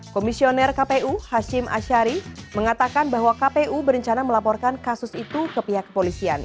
komisioner kpu hashim ashari mengatakan bahwa kpu berencana melaporkan kasus itu ke pihak kepolisian